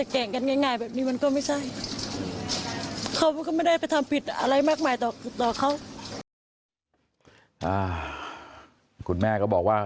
คุณแม่ก็บอกว่า